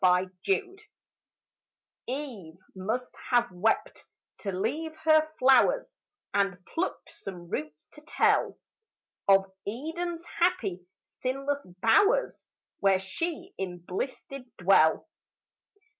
EVE'S FLOWERS Eve must have wept to leave her flowers, And plucked some roots to tell Of Eden's happy, sinless bowers, Where she in bliss did dwell.